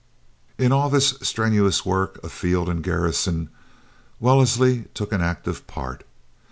In all this strenuous work of field and garrison, Wellesley took an active part.